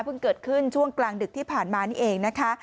เกิดขึ้นช่วงกลางดึกที่ผ่านมานี่เองนะคะ